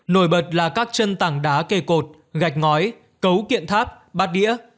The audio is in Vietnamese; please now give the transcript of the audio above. nổi bật là các chân tảng đá kề cột gạch ngói cấu kiện tháp bát đĩa